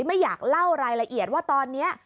ไม่อยากเล่ารายละเอียดว่าตอนนี้